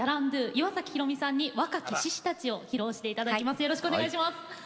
岩崎宏美さんに「若き獅子たち」披露していただきます。